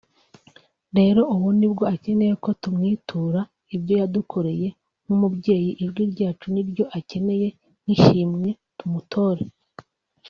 rero ubu nibwo akeneye ko tumwitura ibyo yadukoreye nk'umubyeyi ijwi ryacu niryo akeneye nk ishimwe tumutore